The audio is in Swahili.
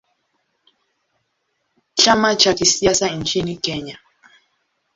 Chama cha kisiasa nchini Kenya.